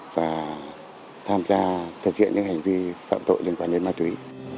và tham gia thực hiện những hành vi phạm tội liên quan đến ma túy